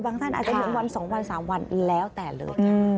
ท่านอาจจะเหลืองวัน๒วัน๓วันแล้วแต่เลยค่ะ